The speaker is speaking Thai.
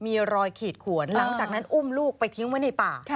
มีรอยขีดขวนหลังจากนั้นอุ้มลูกไปทิ้งไว้ในป่า